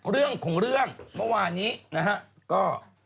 เรื่องของเรื่องเมื่อวานนี้นะฮะก็